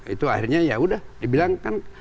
itu akhirnya yaudah dibilang